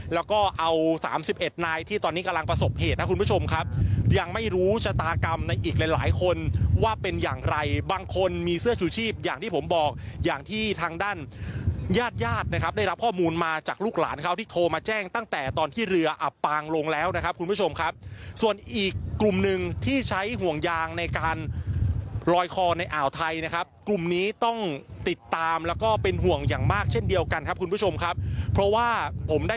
แล้วก็เอา๓๑นายที่ตอนนี้กำลังประสบเหตุนะคุณผู้ชมครับยังไม่รู้ชะตากรรมในอีกหลายคนว่าเป็นอย่างไรบางคนมีเสื้อชูชีพอย่างที่ผมบอกอย่างที่ทางด้านยาดนะครับได้รับข้อมูลมาจากลูกหลานเขาที่โทรมาแจ้งตั้งแต่ตอนที่เรืออับปางลงแล้วนะครับคุณผู้ชมครับส่วนอีกกลุ่มนึงที่ใช้ห่วงยางในการลอยคอในอ่าวไ